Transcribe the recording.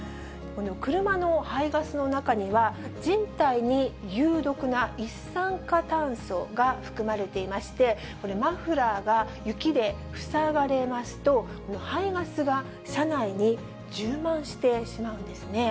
車の排ガスの中には、人体に有毒な一酸化炭素が含まれていまして、これ、マフラーが雪で塞がれますと、排ガスが車内に充満してしまうんですね。